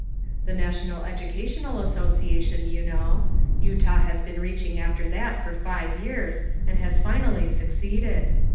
"The National Educational Association, you know. Utah has been reaching after that for five years, and has finally succeeded.